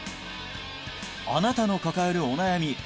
あなたの抱えるお悩み